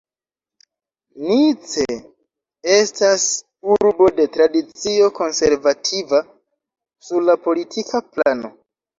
Nice estas urbo de tradicio konservativa sur la politika plano.